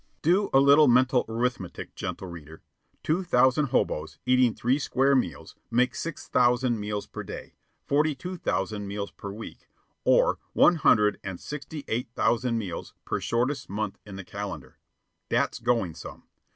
Do a little mental arithmetic, gentle reader. Two thousand hoboes, eating three square meals, make six thousand meals per day, forty two thousand meals per week, or one hundred and sixty eight thousand meals per shortest month in the calendar. That's going some.